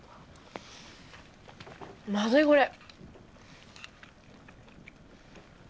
まずいこれ。